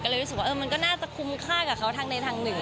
ก็เลยรู้สึกว่ามันก็น่าจะคุ้มค่ากับเขาทางใดทางหนึ่ง